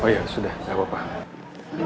oh iya sudah gak apa apa